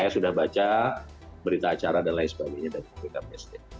saya sudah baca berita acara dan lain sebagainya dari bkpsd